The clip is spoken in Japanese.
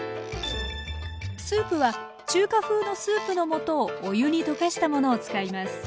スープは中華風のスープの素をお湯に溶かしたものを使います。